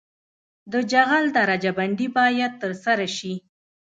د جغل درجه بندي باید ترسره شي